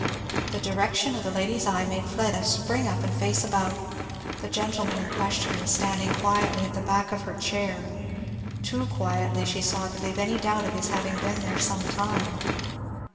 The direction of the lady's eye made Fleda spring up and face about. The gentleman in question was standing quietly at the back of her chair, too quietly, she saw, to leave any doubt of his having been there some time.